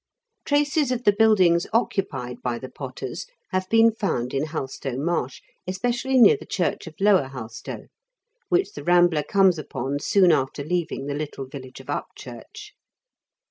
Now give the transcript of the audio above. Traces of the build ings occupied by the potters have been found in Halstow Marsh, especially near the church of Lower Halstow, which the rambler comes upon soon after leaving the little village of Upchurch.